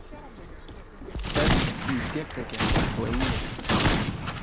Ev mizgefteke qehweyî ye